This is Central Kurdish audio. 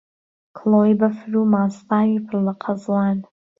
کڵۆی بهفر و ماستاوی پڕ له قهزوان